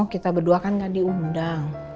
kita berdua kan gak diundang